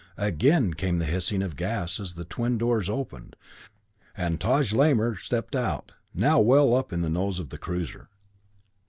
Again came the hissing of gas as the twin doors opened, and Taj Lamor stepped out, now well up in the nose of the cruiser.